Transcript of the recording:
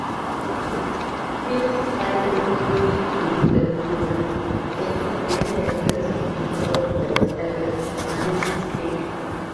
His style is clearly blues-influenced, incorporating extensive use of bends, and the blues scale.